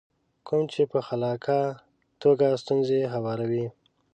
کوم چې په خلاقه توګه ستونزې هواروي.